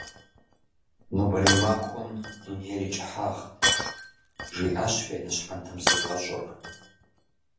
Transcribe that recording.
«Нобэрей махуэм дуней и кӏыхьагът», жиӏащ Фенэ щхьэнтэм зригъэщӏурэ.